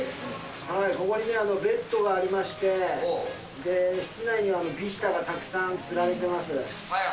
ここにベッドがありまして、室内にはヴィヒタがたくさんつられています。